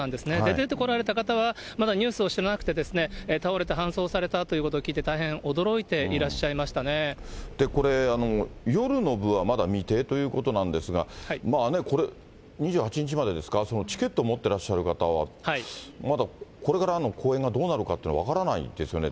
出てこられた方は、まだニュース知らなくて、倒れて搬送されたということを聞いて、大変驚いていらっしゃいまこれ、夜の部はまだ未定ということなんですが、まあね、これ、２８日までですか、チケット持ってらっしゃる方はまだこれからの公演はどうなるかっていうのは分からないですよね。